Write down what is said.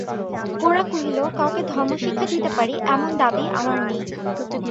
গোরা কহিল, কাউকে ধর্মশিক্ষা দিতে পারি এমন দাবি আামার নেই।